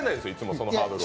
そのハードルを。